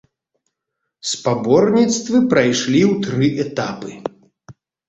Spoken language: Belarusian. Спаборніцтвы прайшлі ў тры этапы.